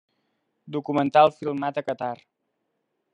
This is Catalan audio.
Documental filmat a Qatar.